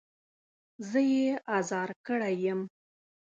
زه يې ازار کړی يم.